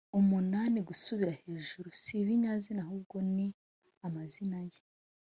“umunani” gusubiza hejuru si ibinyazina ahubwo ni amazina ye